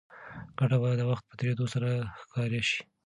ګټه به د وخت په تېرېدو سره ښکاره شي.